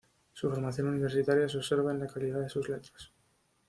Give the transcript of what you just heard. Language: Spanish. Su formación universitaria se observa en la calidad de sus letras.